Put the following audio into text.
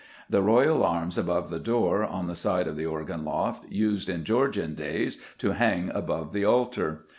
The royal arms above the door, on the side of the organ loft, used, in Georgian days, to hang above the altar.